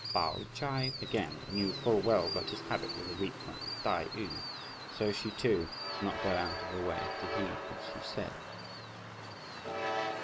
Pao Ch'ai, again, knew full well that this habit was a weak point with Tai yü, so she too did not go out of her way to heed what she said.